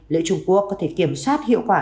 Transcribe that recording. liệu trung quốc có thể kiểm soát hiệu quả